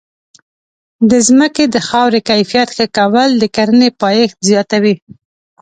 د ځمکې د خاورې کیفیت ښه کول د کرنې پایښت زیاتوي.